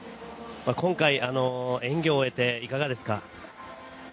今回、演技を終えていかがですか。